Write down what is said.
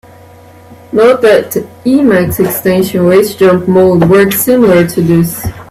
Note that the Emacs extension "Ace jump mode" works similarly to this.